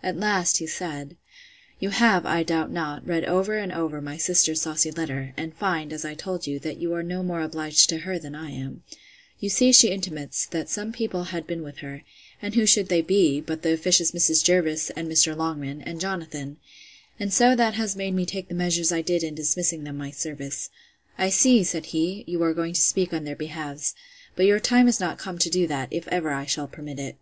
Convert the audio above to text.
At last, he said, You have, I doubt not, read, over and over, my sister's saucy letter; and find, as I told you, that you are no more obliged to her than I am. You see she intimates, that some people had been with her; and who should they be, but the officious Mrs. Jervis, and Mr. Longman, and Jonathan! and so that has made me take the measures I did in dismissing them my service.—I see, said he, you are going to speak on their behalfs; but your time is not come to do that, if ever I shall permit it.